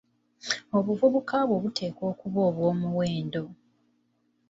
Obuvubuka bwo buteekwa okuba obw'omuwendo.